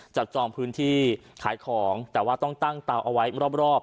จองพื้นที่ขายของแต่ว่าต้องตั้งเตาเอาไว้รอบ